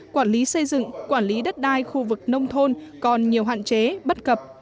quản lý xây dựng quản lý đất đai khu vực nông thôn còn nhiều hạn chế bất cập